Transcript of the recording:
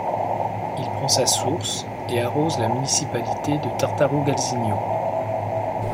Il prend sa source et arrose la municipalité de Tartarugalzinho.